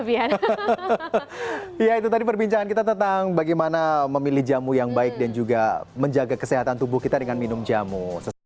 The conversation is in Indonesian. ya itu tadi perbincangan kita tentang bagaimana memilih jamu yang baik dan juga menjaga kesehatan tubuh kita dengan minum jamu